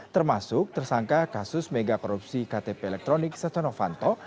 termasuk tersangka kasus megakorupsi ktp elektronik setanofanto